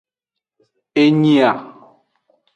Enyi a.